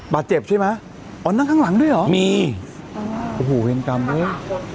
บาดเจ็บใช่ไหมอ๋อนั่งข้างหลังด้วยเหรอมีโอ้โหเวรกรรมเฮ้ย